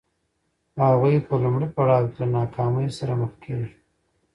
هغوی په لومړي پړاو کې له ناکامۍ سره مخ کېږي.